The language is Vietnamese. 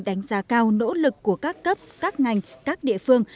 đánh giá cao nỗ lực của các cấp các ngành các địa phương